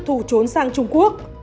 thủ trốn sang trung quốc